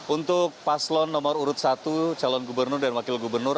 untuk paslon nomor urut satu calon gubernur dan wakil gubernur